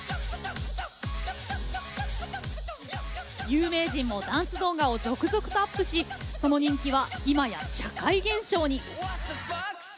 有名人もダンス動画を続々とアップしその人気は今や社会現象に。